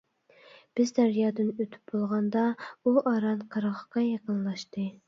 بىز دەريادىن ئۆتۈپ بولغاندا ئۇ ئاران قىرغاققا يېقىنلاشتى.